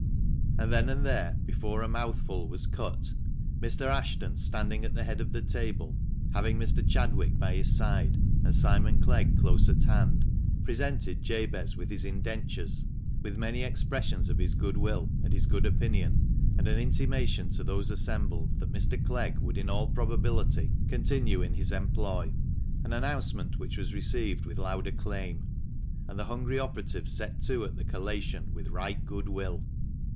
And then and there, before a mouthful was cut, Mr. Ashton, standing at the head of the table, having Mr. Chadwick by his side, and Simon Clegg close at hand, presented Jabez with his indentures, with many expressions of his good will and his good opinion, and an intimation to those assembled that Mr. Clegg would in all probability continue in his employ, an announcement which was received with loud acclaim ; and the hungry operatives set to at the collation with right good will.